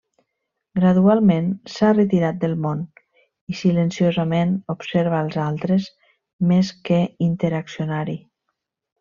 Gradualment, s'ha retirat del món i, silenciosament, observa els altres més que interaccionar-hi.